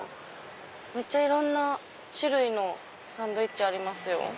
めっちゃいろんな種類のサンドイッチありますよ。